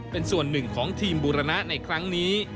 เป็นส่วนหนึ่งของทีมบูรณะในครั้งนี้